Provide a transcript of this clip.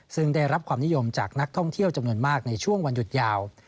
ซึ่งได้รับความนิยมจากนักท่องเที่ยวจำนวนมากในช่วงวันหยุดยาว